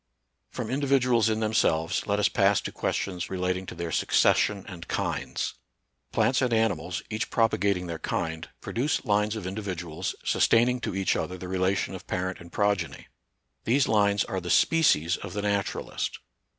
From individuals in themselves, let us pass to questions relating to their succession and kinds. Plants and animals, each propagating their kind, produce lines of individuals, sustaining to each other the relation of parent and progeny. These lines are the species of the naturalist.